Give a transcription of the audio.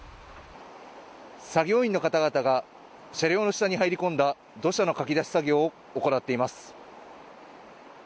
作業員の方々が車両の下に入り込んだ土砂のかき出し作業を行っています。